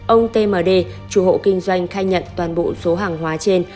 ông tmd chủ hộ kinh doanh khai nhận toàn bộ số hàng hóa trên